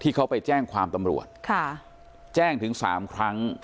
ที่เขาไปแจ้งความตำรวจค่ะแจ้งถึงสามครั้ง